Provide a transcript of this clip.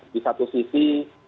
di satu sisi